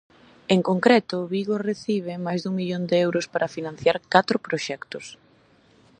En concreto, Vigo recibe máis dun millón de euros para financiar catro proxectos.